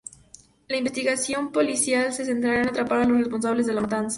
La investigación policial se centrará en atrapar a los responsables de la matanza.